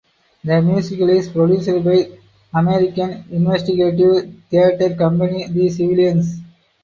The musical is produced by American "investigative" theater company The Civilians.